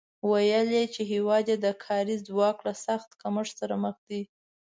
ویلي چې هېواد یې د کاري ځواک له سخت کمښت سره مخ دی